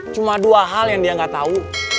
cuma dua hal yang dia nggak tahu